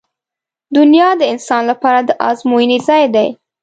• دنیا د انسان لپاره د ازموینې ځای دی.